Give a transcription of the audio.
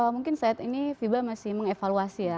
mungkin saat ini fiba masih mengevaluasi ya